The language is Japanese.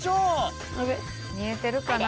見えてるかな？